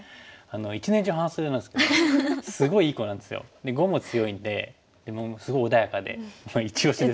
一年中半袖なんですけどすごいいい子なんですよ。で碁も強いんでもうすごい穏やかでイチオシです。